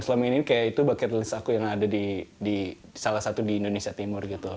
selama ini kayak itu bucket list aku yang ada di salah satu di indonesia timur gitu